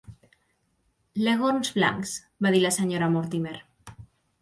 Leghorns blancs, va dir la Sra. Mortimer.